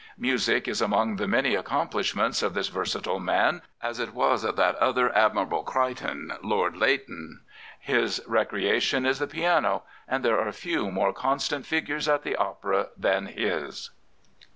Music is among the many accomplish ments of this versatile man, as it was of that other Admirable Crichton, Lord Leighton. His recreation is the piano, and there are few more constant figures at the opera than his.